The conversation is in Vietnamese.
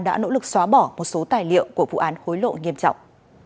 đã nỗ lực xóa bỏ một số tài liệu của vụ án hối lộ nghiêm trọng